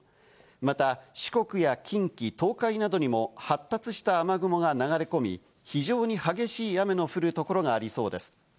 また四国や近畿、東海などにも発達した雨雲が流れ込み、非常に激しい雨の降る所がありそうです。